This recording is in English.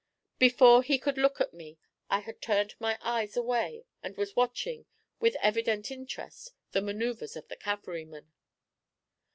Before he could look at me I had turned my eyes away and was watching with evident interest the manoeuvres of the cavalrymen.